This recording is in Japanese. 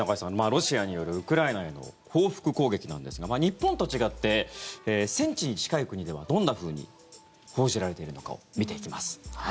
ロシアによるウクライナへの報復攻撃なんですが日本と違って戦地に近い国ではどんなふうに報じられているのかを見ていきます。